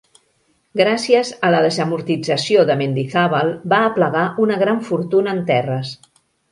Gràcies a la desamortització de Mendizábal va aplegar una gran fortuna en terres.